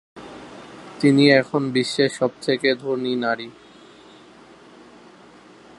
তিনি এখন বিশ্বের সবচেয়ে ধনী নারী।